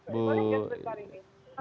boleh di subscribe kali ini